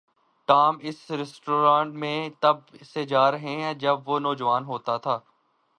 Tom اس restaurant میں تب سے جا رہا ہے جب سے وہ نوجوان ہوتا تھا۔